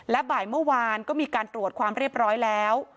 และบ่ายเมื่อวานก็มีการตรวจความเรียบร้อยแล้ว